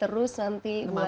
terus nanti bulan